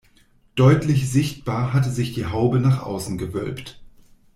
Deutlich sichtbar hatte sich die Haube nach außen gewölbt.